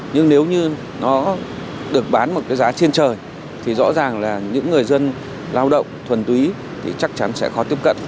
nhưng nếu như nó được bán một cái giá trên trời thì rõ ràng là những người dân lao động thuần túy thì chắc chắn sẽ khó tiếp cận